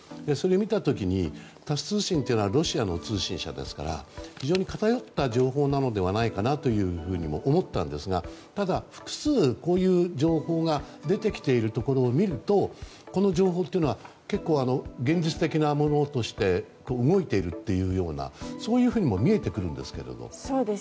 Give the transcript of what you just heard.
それを見た時にタス通信というのはロシアの通信社ですから、非常に偏った情報なのではないかと思ったんですがただ、複数こういう情報が出てきているところを見るとこの情報というのは結構、現実的なものとして動いているというそういうふうにも見えてくるんですけど。